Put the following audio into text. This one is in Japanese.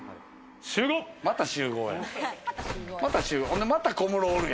また集合や。